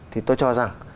thì tôi cho rằng